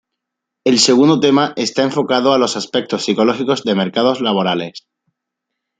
El segundo tema está enfocado a los aspectos psicológicos de mercados laborales.